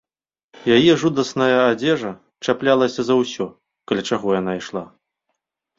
Яе жудасная адзежа чаплялася за ўсё, каля чаго яна ішла.